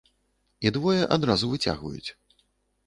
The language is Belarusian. І двое адразу выцягваюць.